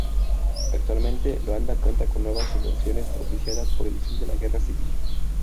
Actualmente, Luanda cuenta con nuevas inversiones propiciadas por el fin de la guerra civil.